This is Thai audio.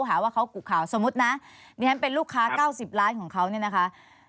หาว่าเขากุข่าวสมมุตินะดิฉันเป็นลูกค้า๙๐ล้านของเขาเนี่ยนะคะ